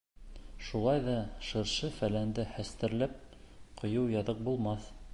Шулай ҙа шыршы-фәләнде хәстәрләп ҡуйыу яҙыҡ булмаҫ.